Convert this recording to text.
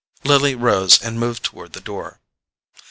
Lily rose and moved toward the door.